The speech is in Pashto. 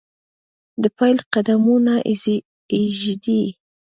دپیل قدمونه ایږدي